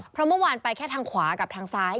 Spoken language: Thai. เพราะเมื่อวานไปแค่ทางขวากับทางซ้าย